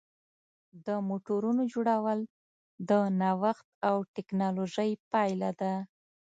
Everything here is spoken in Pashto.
د موټرونو جوړول د نوښت او ټېکنالوژۍ پایله ده.